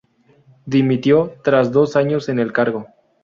Dimitió tras dos años en el cargo.